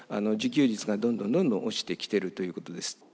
自給率がどんどんどんどん落ちてきてるということです。